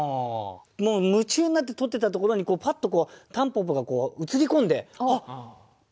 もう夢中になって撮ってたところにパッと蒲公英が写り込んで「あっ蒲公英！